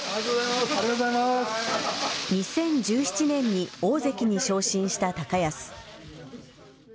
２０１７年に大関に昇進した高安。